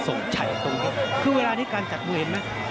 ทรงใจตรงนี้คือเวลานี้การจัดมวยน่ะ